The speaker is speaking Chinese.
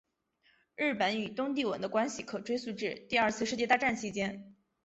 日本与东帝汶的关系可追溯至第二次世界大战期间。